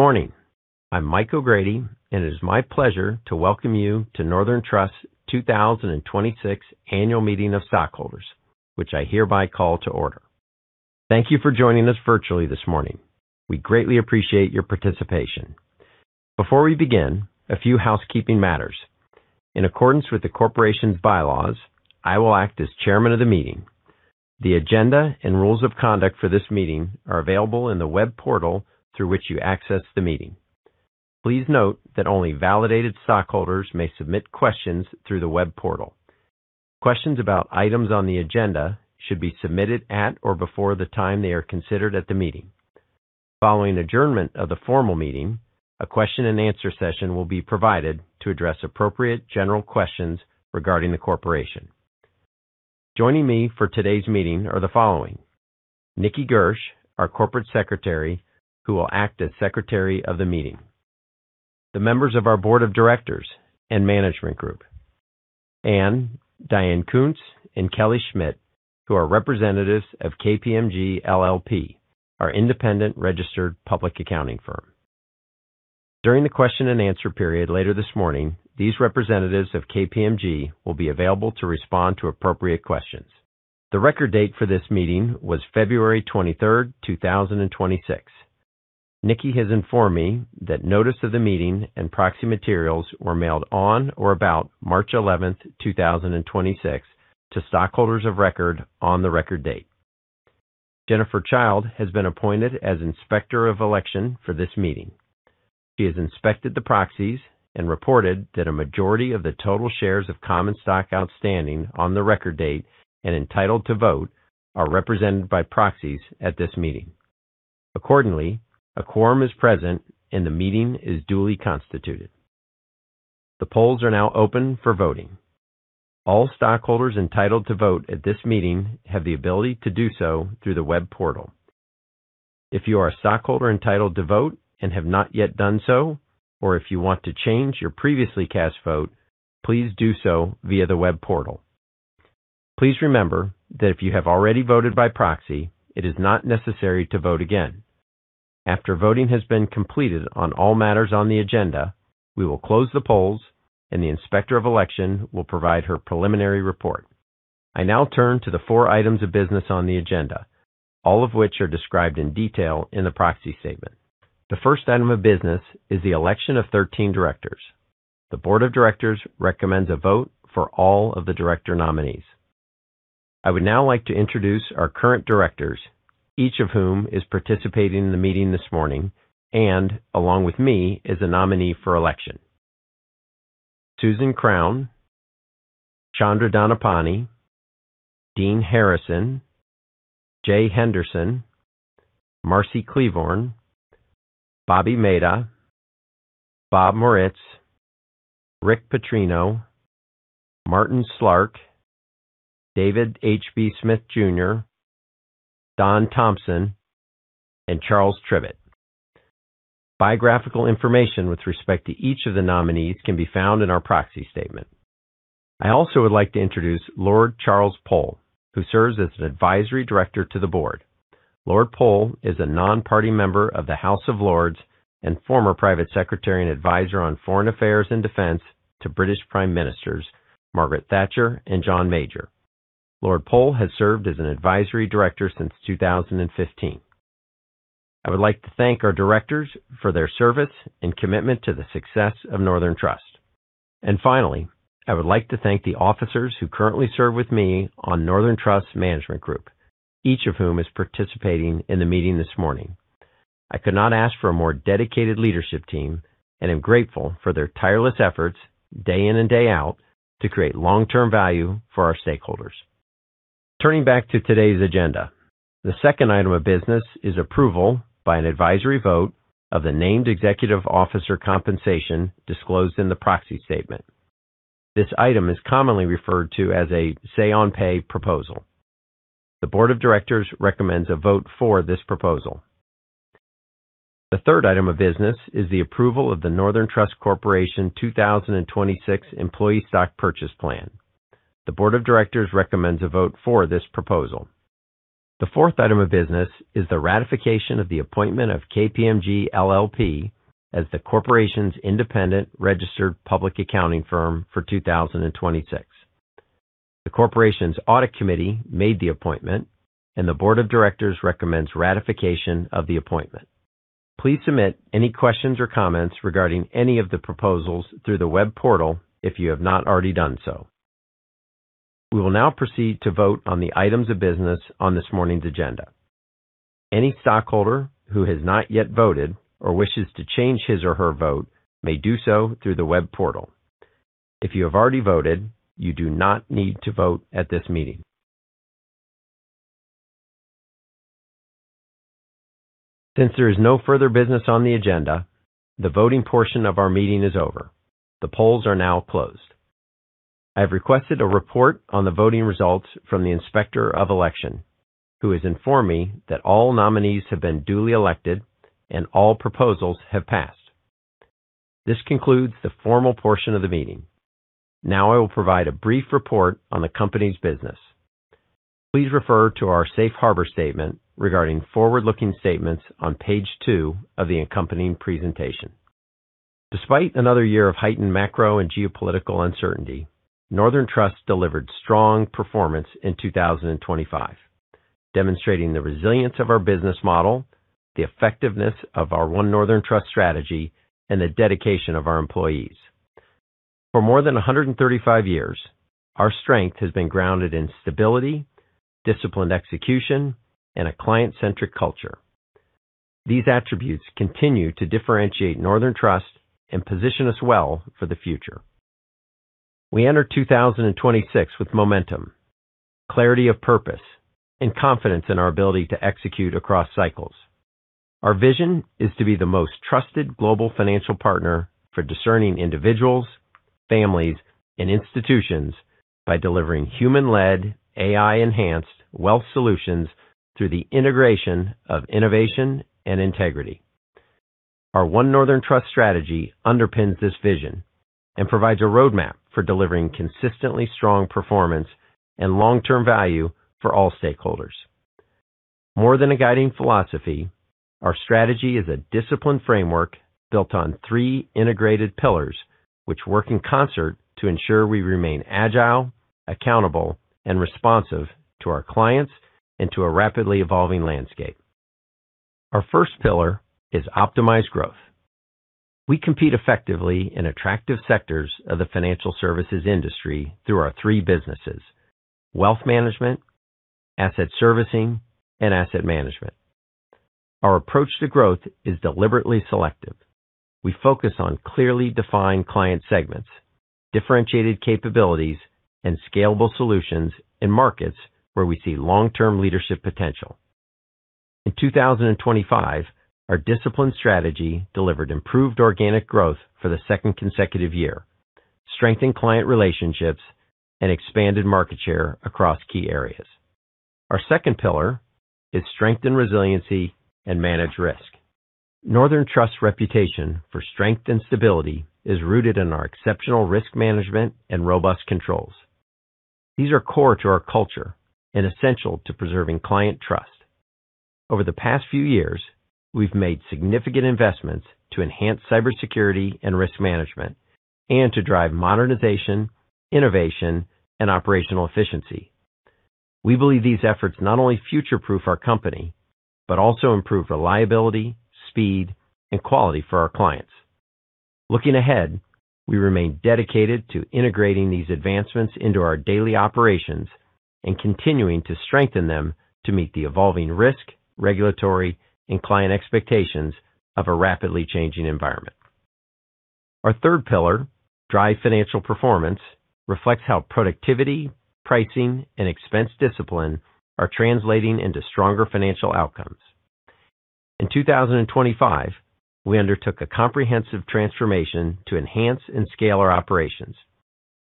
Good morning. I'm Mike O'Grady, and it is my pleasure to welcome you to Northern Trust's 2026 Annual Meeting of Stockholders, which I hereby call to order. Thank you for joining us virtually this morning. We greatly appreciate your participation. Before we begin, a few housekeeping matters. In accordance with the corporation's bylaws, I will act as chairman of the meeting. The agenda and rules of conduct for this meeting are available in the web portal through which you access the meeting. Please note that only validated stockholders may submit questions through the web portal. Questions about items on the agenda should be submitted at or before the time they are considered at the meeting. Following adjournment of the formal meeting, a Q&A session will be provided to address appropriate general questions regarding the corporation. Joining me for today's meeting are the following: Nikki Gersch, our corporate secretary, who will act as secretary of the meeting. The members of our board of directors and management group. Diane Kunz and Kelly Schmidt, who are representatives of KPMG LLP, our independent registered public accounting firm. During the Q&A period later this morning, these representatives of KPMG will be available to respond to appropriate questions. The record date for this meeting was February 23, 2026. Nikki has informed me that notice of the meeting and proxy materials were mailed on or about March 11, 2026 to stockholders of record on the record date. Jennifer Childe has been appointed as Inspector of Election for this meeting. She has inspected the proxies and reported that a majority of the total shares of common stock outstanding on the record date and entitled to vote are represented by proxies at this meeting. Accordingly, a quorum is present, and the meeting is duly constituted. The polls are now open for voting. All stockholders entitled to vote at this meeting have the ability to do so through the web portal. If you are a stockholder entitled to vote and have not yet done so, or if you want to change your previously cast vote, please do so via the web portal. Please remember that if you have already voted by proxy, it is not necessary to vote again. After voting has been completed on all matters on the agenda, we will close the polls, and the Inspector of Election will provide her preliminary report. I now turn to the four items of business on the agenda, all of which are described in detail in the proxy statement. The first item of business is the election of 13 directors. The board of directors recommends a vote for all of the director nominees. I would now like to introduce our current directors, each of whom is participating in the meeting this morning and, along with me, is a nominee for election. Susan Crown, Chandra Dhandapani, Dean Harrison, Jay Henderson, Marcy Klevorn, Bobby Mehta, Bob Moritz, Rick Petrino, Martin Slark, David H.B. Smith Jr., Don Thompson, and Charles Tribbett. Biographical information with respect to each of the nominees can be found in our proxy statement. I also would like to introduce Lord Charles Powell, who serves as an advisory director to the board. Lord Powell is a non-party member of the House of Lords and former private secretary and advisor on foreign affairs and defense to British Prime Ministers Margaret Thatcher and John Major. Lord Powell has served as an Advisory Director since 2015. I would like to thank our directors for their service and commitment to the success of Northern Trust. Finally, I would like to thank the officers who currently serve with me on Northern Trust's management group, each of whom is participating in the meeting this morning. I could not ask for a more dedicated leadership team and am grateful for their tireless efforts day in and day out to create long-term value for our stakeholders. Turning back to today's agenda, the second item of business is approval by an advisory vote of the named executive officer compensation disclosed in the proxy statement. This item is commonly referred to as a say-on-pay proposal. The board of directors recommends a vote for this proposal. The third item of business is the approval of the Northern Trust Corporation 2026 employee stock purchase plan. The board of directors recommends a vote for this proposal. The fourth item of business is the ratification of the appointment of KPMG LLP as the corporation's independent registered public accounting firm for 2026. The corporation's audit committee made the appointment, and the board of directors recommends ratification of the appointment. Please submit any questions or comments regarding any of the proposals through the web portal if you have not already done so. We will now proceed to vote on the items of business on this morning's agenda. Any stockholder who has not yet voted or wishes to change his or her vote may do so through the web portal. If you have already voted, you do not need to vote at this meeting. Since there is no further business on the agenda, the voting portion of our meeting is over. The polls are now closed. I have requested a report on the voting results from the Inspector of Election, who has informed me that all nominees have been duly elected and all proposals have passed. This concludes the formal portion of the meeting. Now I will provide a brief report on the company's business. Please refer to our safe harbor statement regarding forward-looking statements on page two of the accompanying presentation. Despite another year of heightened macro and geopolitical uncertainty, Northern Trust delivered strong performance in 2025, demonstrating the resilience of our business model, the effectiveness of our One Northern Trust strategy, and the dedication of our employees. For more than 135 years, our strength has been grounded in stability, disciplined execution, and a client-centric culture. These attributes continue to differentiate Northern Trust and position us well for the future. We enter 2026 with momentum, clarity of purpose, and confidence in our ability to execute across cycles. Our vision is to be the most trusted global financial partner for discerning individuals, families, and institutions by delivering human-led, AI-enhanced wealth solutions through the integration of innovation and integrity. Our One Northern Trust strategy underpins this vision and provides a roadmap for delivering consistently strong performance and long-term value for all stakeholders. More than a guiding philosophy, our strategy is a disciplined framework built on three integrated pillars, which work in concert to ensure we remain agile, accountable, and responsive to our clients and to a rapidly evolving landscape. Our first pillar is optimized growth. We compete effectively in attractive sectors of the financial services industry through our three businesses, Wealth Management, Asset Servicing, and Asset Management. Our approach to growth is deliberately selective. We focus on clearly defined client segments, differentiated capabilities, and scalable solutions in markets where we see long-term leadership potential. In 2025, our disciplined strategy delivered improved organic growth for the second consecutive year, strengthened client relationships, and expanded market share across key areas. Our second pillar is strength and resiliency and risk management. Northern Trust's reputation for strength and stability is rooted in our exceptional risk management and robust controls. These are core to our culture and essential to preserving client trust. Over the past few years, we've made significant investments to enhance cybersecurity and risk management and to drive modernization, innovation, and operational efficiency. We believe these efforts not only future-proof our company, but also improve reliability, speed, and quality for our clients. Looking ahead, we remain dedicated to integrating these advancements into our daily operations and continuing to strengthen them to meet the evolving risk, regulatory, and client expectations of a rapidly changing environment. Our third pillar, drive financial performance, reflects how productivity, pricing, and expense discipline are translating into stronger financial outcomes. In 2025, we undertook a comprehensive transformation to enhance and scale our operations.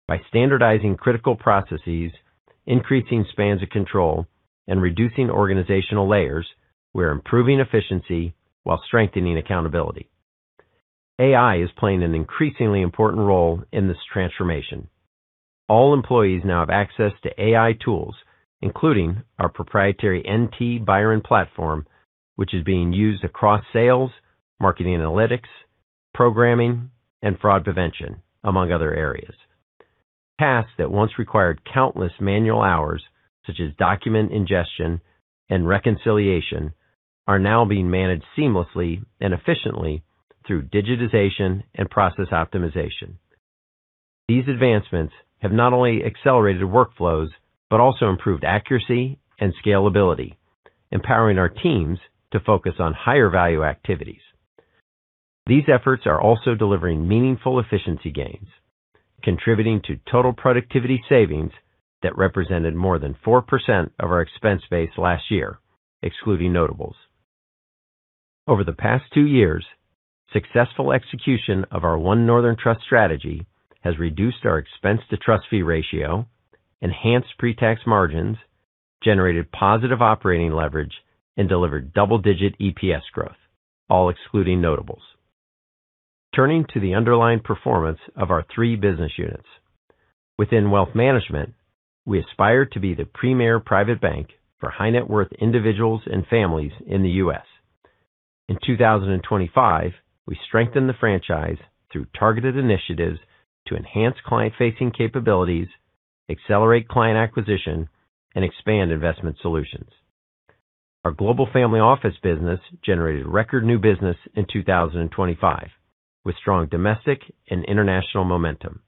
By standardizing critical processes, increasing spans of control, and reducing organizational layers, we're improving efficiency while strengthening accountability. AI is playing an increasingly important role in this transformation. All employees now have access to AI tools, including our proprietary NT Byron platform, which is being used across sales, marketing analytics, programming, and fraud prevention, among other areas. Tasks that once required countless manual hours, such as document ingestion and reconciliation, are now being managed seamlessly and efficiently through digitization and process optimization. These advancements have not only accelerated workflows but also improved accuracy and scalability, empowering our teams to focus on higher-value activities. These efforts are also delivering meaningful efficiency gains, contributing to total productivity savings that represented more than 4% of our expense base last year, excluding notables. Over the past two years, successful execution of our One Northern Trust strategy has reduced our expense-to-trust-fee ratio, enhanced pre-tax margins, generated positive operating leverage, and delivered double-digit EPS growth, all excluding notables. Turning to the underlying performance of our three business units. Within Wealth Management, we aspire to be the premier private bank for high-net-worth individuals and families in the U.S. In 2025, we strengthened the franchise through targeted initiatives to enhance client-facing capabilities, accelerate client acquisition, and expand investment solutions. Our global family office business generated record new business in 2025, with strong domestic and international momentum.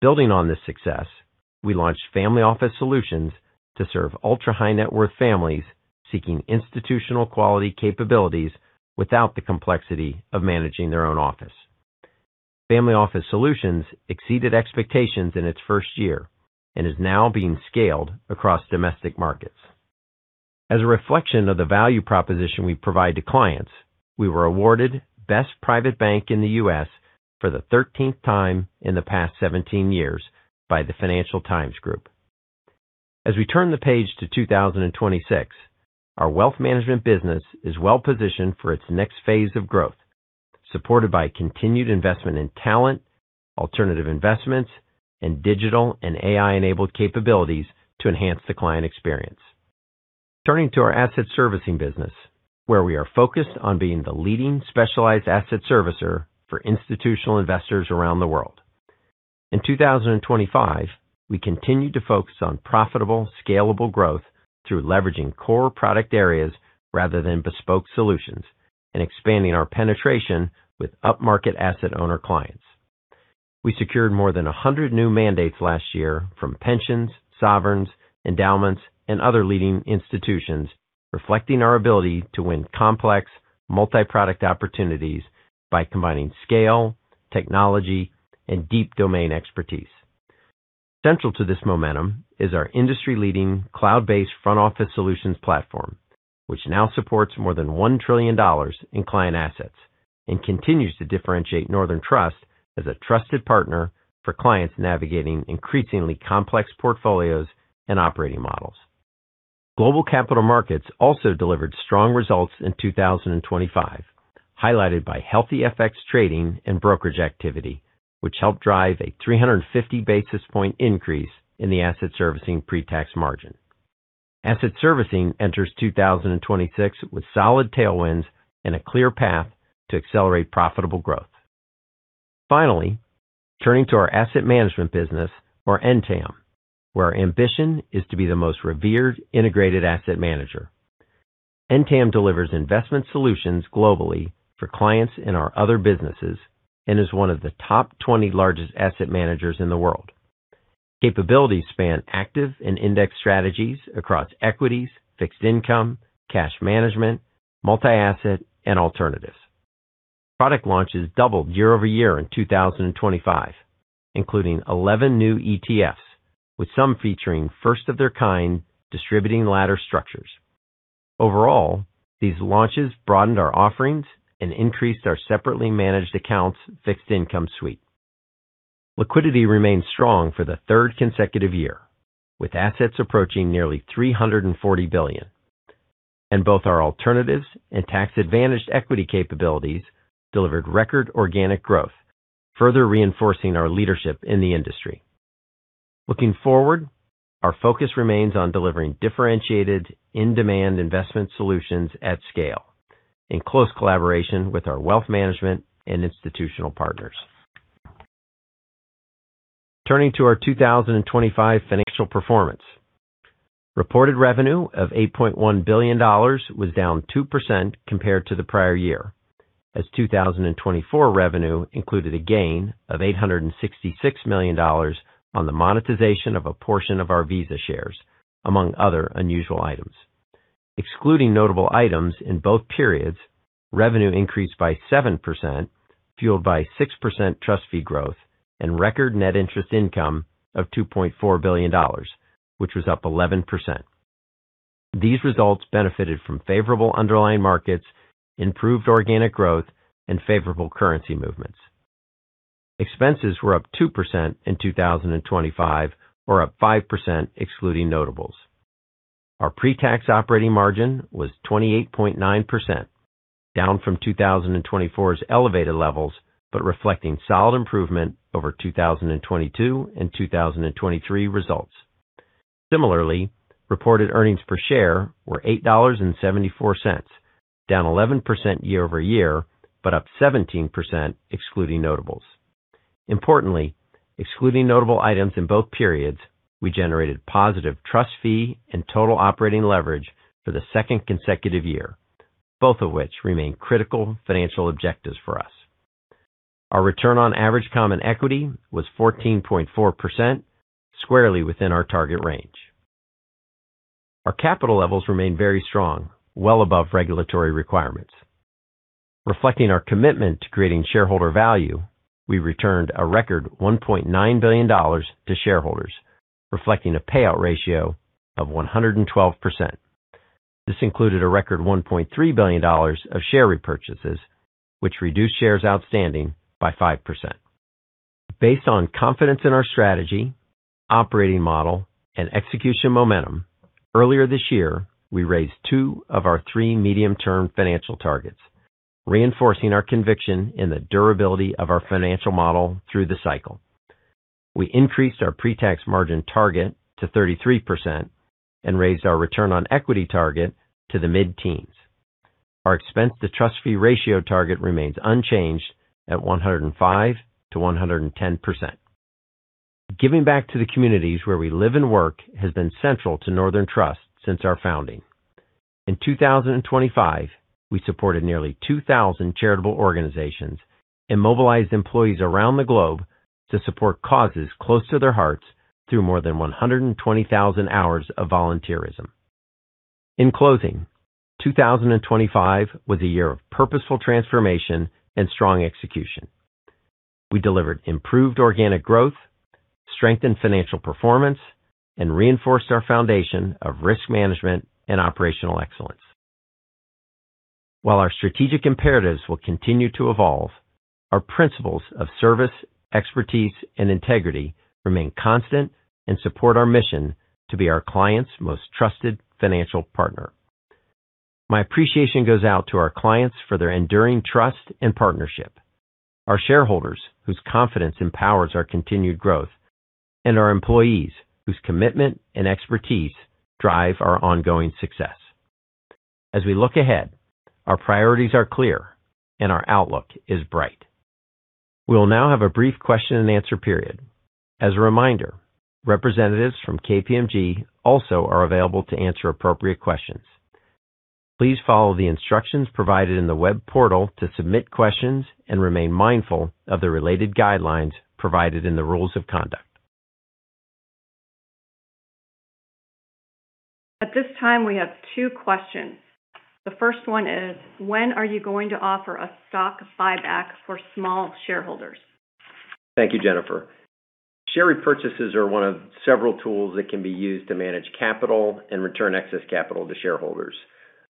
Building on this success, we launched Family Office Solutions to serve ultra-high-net-worth families seeking institutional-quality capabilities without the complexity of managing their own office. Family Office Solutions exceeded expectations in its first year and is now being scaled across domestic markets. As a reflection of the value proposition we provide to clients, we were awarded Best Private Bank in the U.S. for the 13th time in the past 17 years by the Financial Times. As we turn the page to 2026, our Wealth Management business is well-positioned for its next phase of growth, supported by continued investment in talent, alternative investments, and digital and AI-enabled capabilities to enhance the client experience. Turning to our Asset Servicing business, where we are focused on being the leading specialized Asset Servicer for institutional investors around the world. In 2025, we continued to focus on profitable, scalable growth through leveraging core product areas rather than bespoke solutions, and expanding our penetration with upmarket asset owner clients. We secured more than 100 new mandates last year from pensions, sovereigns, endowments, and other leading institutions, reflecting our ability to win complex multiproduct opportunities by combining scale, technology, and deep domain expertise. Central to this momentum is our industry-leading cloud-based front-office solutions platform, which now supports more than $1 trillion in client assets and continues to differentiate Northern Trust as a trusted partner for clients navigating increasingly complex portfolios and operating models. Global capital markets also delivered strong results in 2025, highlighted by healthy FX trading and brokerage activity, which helped drive a 350 basis points increase in the Asset Servicing pre-tax margin. Asset Servicing enters 2026 with solid tailwinds and a clear path to accelerate profitable growth. Finally, turning to our Asset Management business, or NTAM, where our ambition is to be the most revered integrated asset manager. NTAM delivers investment solutions globally for clients in our other businesses and is one of the top 20 largest asset managers in the world. Capabilities span active and index strategies across equities, fixed income, cash management, multi-asset, and alternatives. Product launches doubled year-over-year in 2025, including 11 new ETFs, with some featuring first-of-their-kind distributing ladder structures. Overall, these launches broadened our offerings and increased our separately managed accounts fixed income suite. Liquidity remained strong for the third consecutive year, with assets approaching nearly $340 billion. Both our alternatives and tax-advantaged equity capabilities delivered record organic growth, further reinforcing our leadership in the industry. Looking forward, our focus remains on delivering differentiated, in-demand investment solutions at scale in close collaboration with our Wealth Management and institutional partners. Turning to our 2025 financial performance. Reported revenue of $8.1 billion was down 2% compared to the prior year, as 2024 revenue included a gain of $866 million on the monetization of a portion of our Visa shares, among other unusual items. Excluding notable items in both periods, revenue increased by 7%, fueled by 6% trust fee growth and record net interest income of $2.4 billion, which was up 11%. These results benefited from favorable underlying markets, improved organic growth, and favorable currency movements. Expenses were up 2% in 2025, or up 5% excluding notables. Our pre-tax operating margin was 28.9%, down from 2024's elevated levels, but reflecting solid improvement over 2022 and 2023 results. Similarly, reported earnings per share were $8.74, down 11% year-over-year, but up 17% excluding notables. Importantly, excluding notable items in both periods, we generated positive trust fee and total operating leverage for the second consecutive year, both of which remain critical financial objectives for us. Our return on average common equity was 14.4%, squarely within our target range. Our capital levels remain very strong, well above regulatory requirements. Reflecting our commitment to creating shareholder value, we returned a record $1.9 billion to shareholders, reflecting a payout ratio of 112%. This included a record $1.3 billion of share repurchases, which reduced shares outstanding by 5%. Based on confidence in our strategy, operating model, and execution momentum, earlier this year, we raised two of our three medium-term financial targets, reinforcing our conviction in the durability of our financial model through the cycle. We increased our pre-tax margin target to 33% and raised our return on equity target to the mid-teens. Our expense-to-trust-fee ratio target remains unchanged at 105%-110%. Giving back to the communities where we live and work has been central to Northern Trust since our founding. In 2025, we supported nearly 2,000 charitable organizations and mobilized employees around the globe to support causes close to their hearts through more than 120,000 hrs of volunteerism. In closing, 2025 was a year of purposeful transformation and strong execution. We delivered improved organic growth, strengthened financial performance, and reinforced our foundation of risk management and operational excellence. While our strategic imperatives will continue to evolve, our principles of service, expertise, and integrity remain constant and support our mission to be our clients' most trusted financial partner. My appreciation goes out to our clients for their enduring trust and partnership, our shareholders, whose confidence empowers our continued growth, and our employees, whose commitment and expertise drive our ongoing success. As we look ahead, our priorities are clear and our outlook is bright. We'll now have a brief Q&A period. As a reminder, representatives from KPMG also are available to answer appropriate questions. Please follow the instructions provided in the web portal to submit questions and remain mindful of the related guidelines provided in the rules of conduct. At this time, we have two questions. The first one is, when are you going to offer a stock buyback for small shareholders? Thank you, Jennifer. Share repurchases are one of several tools that can be used to manage capital and return excess capital to shareholders.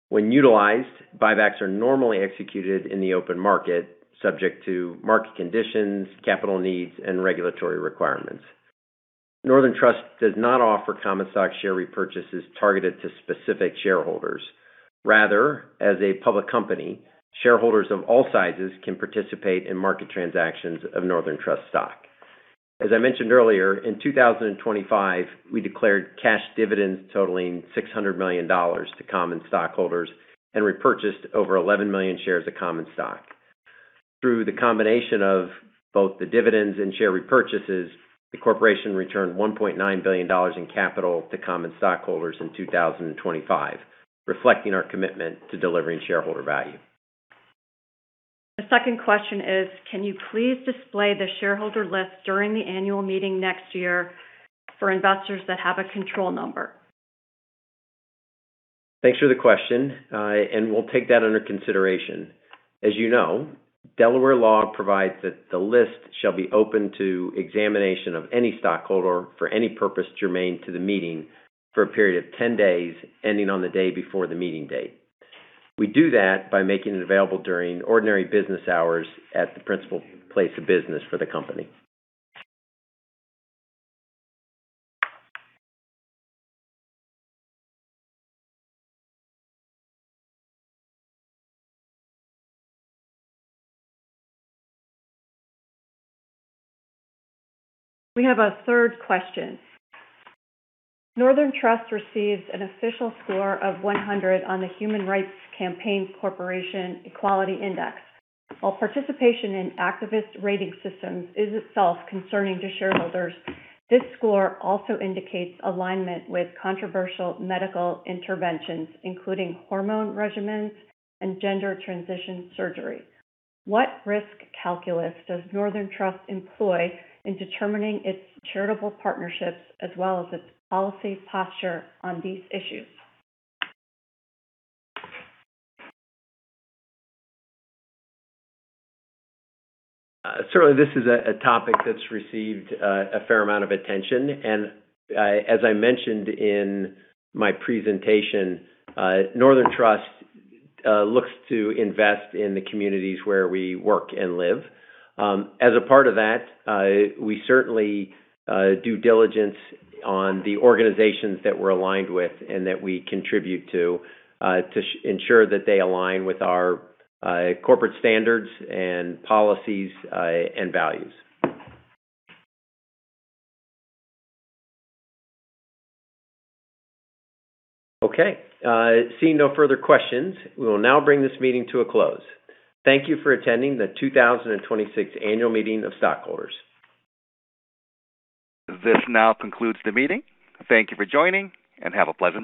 When utilized, buybacks are normally executed in the open market, subject to market conditions, capital needs, and regulatory requirements. Northern Trust does not offer common stock share repurchases targeted to specific shareholders. Rather, as a public company, shareholders of all sizes can participate in market transactions of Northern Trust stock. As I mentioned earlier, in 2025, we declared cash dividends totaling $600 million to common stockholders and repurchased over 11 million shares of common stock. Through the combination of both the dividends and share repurchases, the corporation returned $1.9 billion in capital to common stockholders in 2025, reflecting our commitment to delivering shareholder value. The second question is, can you please display the shareholder list during the annual meeting next year for investors that have a control number? Thanks for the question, and we'll take that under consideration. As you know, Delaware law provides that the list shall be open to examination of any stockholder for any purpose germane to the meeting for a period of 10 days ending on the day before the meeting date. We do that by making it available during ordinary business hours at the principal place of business for the company. We have a third question. Northern Trust receives an official score of 100 on the Human Rights Campaign Foundation Corporate Equality Index. While participation in activist rating systems is itself concerning to shareholders, this score also indicates alignment with controversial medical interventions, including hormone regimens and gender transition surgery. What risk calculus does Northern Trust employ in determining its charitable partnerships as well as its policy posture on these issues? Certainly, this is a topic that's received a fair amount of attention, and as I mentioned in my presentation, Northern Trust looks to invest in the communities where we work and live. As a part of that, we certainly do diligence on the organizations that we're aligned with and that we contribute to ensure that they align with our corporate standards and policies, and values. Okay. Seeing no further questions, we will now bring this meeting to a close. Thank you for attending the 2026 annual meeting of stockholders. This now concludes the meeting. Thank you for joining, and have a pleasant day.